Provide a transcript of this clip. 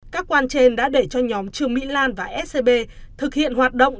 các quan trên đã để cho nhóm trương mỹ lan và scb thực hiện hoạt động